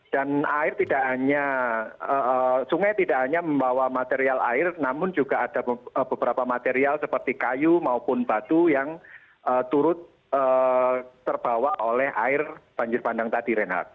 dan air tidak hanya sungai tidak hanya membawa material air namun juga ada beberapa material seperti kayu maupun batu yang turut terbawa oleh air banjir bandang tadi renat